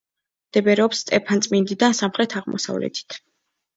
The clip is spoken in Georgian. მდებარეობს სტეფანწმინდიდან სამხრეთ-აღმოსავლეთით.